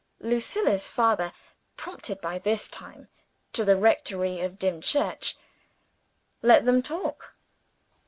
Lucilla's father (promoted, by this time, to the rectory of Dimchurch) let them talk.